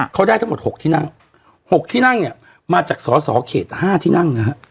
เขาได้ทั้งหมด๖ที่นั่ง๖ที่นั่งเนี่ยมาจากสอสอเขต๕ที่นั่งนะฮะ